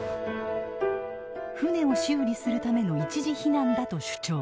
船を修理するための一時避難だと主張。